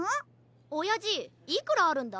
おやじいくらあるんだ？